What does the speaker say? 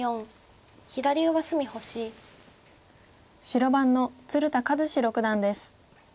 白番の鶴田和志六段です。